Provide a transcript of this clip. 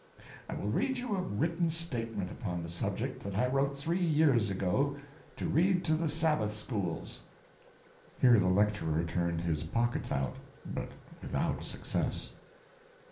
I will read you a written statement upon the subject that I wrote three years ago to read to the Sabbath schools. [Here the lecturer turned his pockets out, but without success.